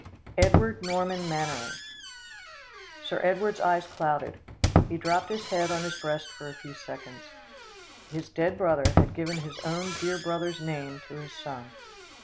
"Edward Norman Mannering." Sir Edward's eyes clouded. He dropped his head on his breast for a few seconds. His dead brother had given his own dear brother's name to his son.